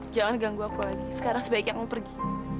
jangan ganggu aku lagi sekarang sebaiknya mau pergi